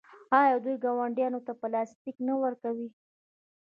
آیا دوی ګاونډیانو ته پلاستیک نه ورکوي؟